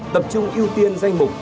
tập trung ưu tiên danh mục